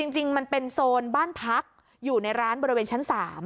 จริงมันเป็นโซนบ้านพักอยู่ในร้านบริเวณชั้น๓